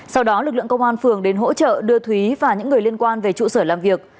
sau đó lực lượng công an phường đến hỗ trợ đưa thúy và những người liên quan về trụ sở làm việc